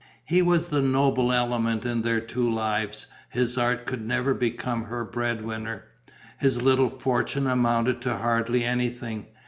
He was the noble element in their two lives; his art could never become her bread winner. His little fortune amounted to hardly anything.